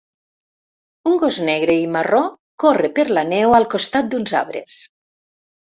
Un gos negre i marró corre per la neu al costat d'uns arbres.